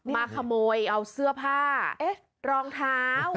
มาขโมยเอาเสื้อผ้ารองเท้า